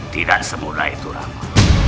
tidak semudah itu rama